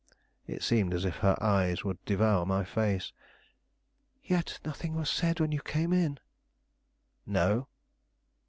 It seemed as if her eyes would devour my face. "Yet nothing was said when you came in?" "No."